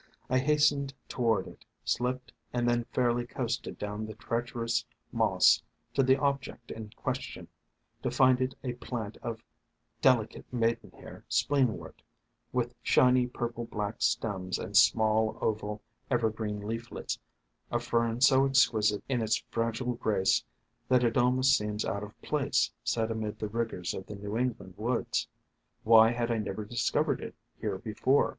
I hastened toward it, slipped and then fairly coasted down the treach erous Moss to the object in question, to find it a plant of delicate Maidenhair Spleenwort, with shiny, purple black stems and small, oval, ever green leaflets — a Fern so exquisite in its fragile grace that it almost seems out of place set amid the rigors of the New England woods. Why had I never discovered it here before?